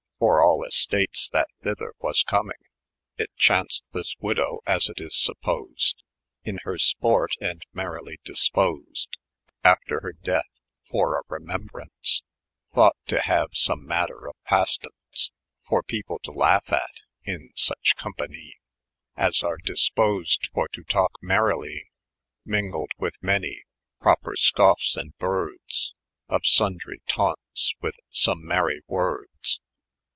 For all estates that thyder was comyng. It chauDced this wjdow, as it is eapposed, In her sport, and meryly dysposed, After her deth, for a remembrannce Thaaght to hane some matter of pastannce For people to laugh at, in snche company As are dysposed for to talks meryly, Mengled with maui propre scoffes and boordes. Of Bondry tanntes, with some mery woordes.